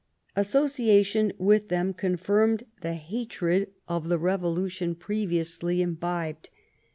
Association with them confirmed the hatred of the Revolution previously imbibed.